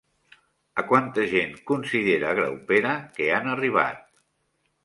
A quanta gent considera Graupera que han arribat?